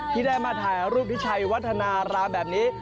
ที่ได้มาถ่ายรูปพิชัยวัฒนารามแบบนี้